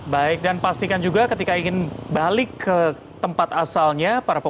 baik dan pastikan juga ketika ingin balik ke tempat asalnya